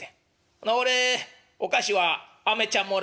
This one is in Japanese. ほな俺お菓子はアメちゃんもらうわ」。